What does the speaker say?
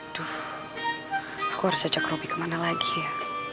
aduh aku harus ajak robi kemana lagi ya